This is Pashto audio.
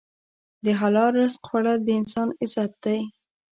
د حلال رزق خوړل د انسان عزت دی.